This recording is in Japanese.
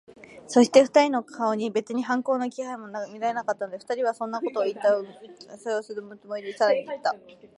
そして、二人の顔に別に反抗の気配も見られなかったので、二人にそんなことをいった埋合せをするつもりで、さらにいった。